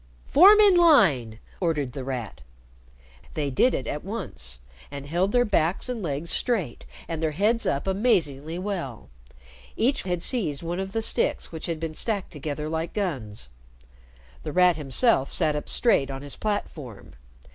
"Form in line!" ordered The Rat. They did it at once, and held their backs and legs straight and their heads up amazingly well. Each had seized one of the sticks which had been stacked together like guns. The Rat himself sat up straight on his platform.